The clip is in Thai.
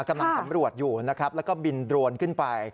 กำลังสำรวจอยู่นะครับแล้วก็บินโดรนขึ้นไป